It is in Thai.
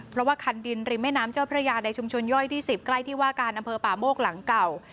เพราะว่าคันดินริมแม่น้ำเจ้าพระยาในชุมชนย่อยที่๑๐ใกล้ที่ว่าการอำเภอป่าโมกหลังเก่า